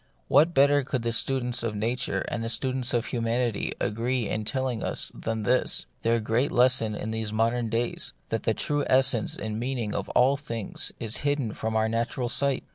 What better could the students of Nature and the students of Humanity agree in telling us than this — their great lesson in these modern days — that the true essence and meaning of all things is hidden from our natural sight